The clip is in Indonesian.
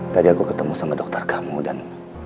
tadi aku ketemu sama dokter kamu dan